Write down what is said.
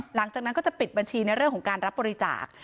หลังจากนั้นก็จะปิดบัญชีในเรื่องของการรับบริจาค